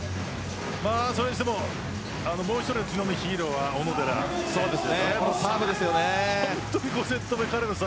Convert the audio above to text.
それにしてももう一人の昨日のヒーローは小野寺です。